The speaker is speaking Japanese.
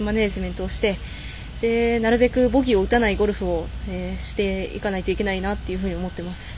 マネジメントをしてなるべくボギーを打たないゴルフをしていかないといけないと思ってます。